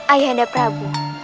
ayah anda prabu